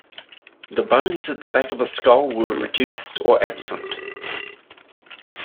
The bones at the back of the skull were reduced or absent.